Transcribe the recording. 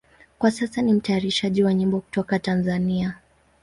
Kwa sasa ni mtayarishaji wa nyimbo kutoka Tanzania.